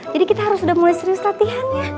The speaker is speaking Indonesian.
jadi kita harus udah mulai serius latihan ya